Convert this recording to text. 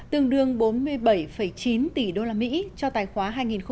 tương đương bốn mươi bảy chín tỷ usd cho tài khoá hai nghìn một mươi chín